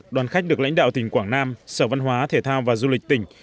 đoàn khách được lãnh đạo tỉnh quảng nam sở văn hóa thể thao và du lịch tỉnh